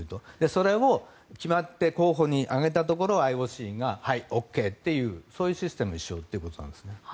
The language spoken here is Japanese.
それが決まって候補に挙げたところをＩＯＣが、はいＯＫというシステムにしようということです。